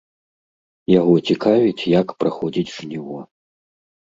Яго цікавіць, як праходзіць жніво.